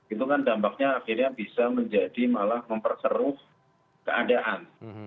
itu kan dampaknya akhirnya bisa menjadi malah memperseruh keadaan